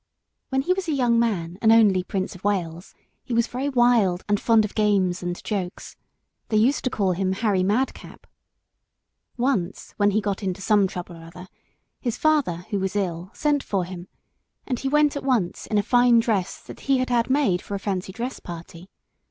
When he was a young man, and only Prince of Wales, he was very wild and fond of games and jokes. They used to call him Harry Madcap. Once, when he got into some trouble or other, his father, who was ill, sent for him, and he went at once in a fine dress that he had had made for a fancy dress party.